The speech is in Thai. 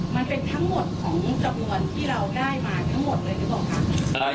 มันเป็นทั้งหมดของจำนวนที่เราได้มาทั้งหมดเลยหรือเปล่าคะ